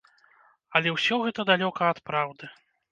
Але ўсё гэта далёка ад праўды.